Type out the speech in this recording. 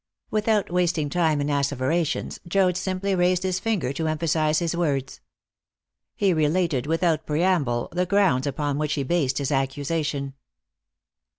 Without wasting time in asseverations, Joad simply raised his finger to emphasize his words. He related without preamble the grounds upon which he based his accusation.